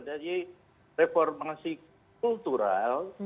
jadi reformasi kultural